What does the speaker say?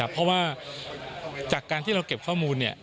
เพราะว่าจากการที่เราเก็บข้อมูล